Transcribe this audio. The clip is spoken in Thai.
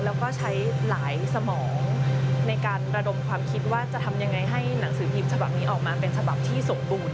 แล้วก็ใช้หลายสมองในการระดมความคิดว่าจะทำยังไงให้หนังสือพิมพ์ฉบับนี้ออกมาเป็นฉบับที่สมบูรณ